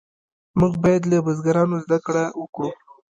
موږ باید له بزرګانو زده کړه وکړو.